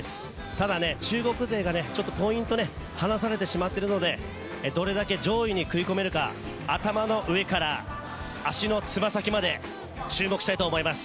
ただ中国勢にちょっとポイント離されてしまっているのでどれだけ上位に食い込めるか、頭の上から足のつま先まで注目したいと思います。